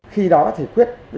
khi đó thì quyết